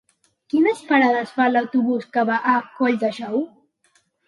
Quines parades fa l'autobús que va a Colldejou?